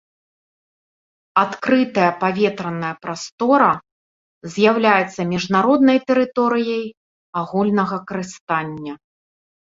Адкрытая паветраная прастора з'яўляецца міжнароднай тэрыторыяй агульнага карыстання.